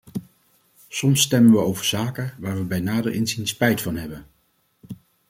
Soms stemmen we over zaken waar we bij nader inzien spijt van hebben.